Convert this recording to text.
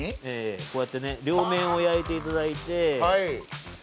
ええこうやってね両面を焼いていただいて。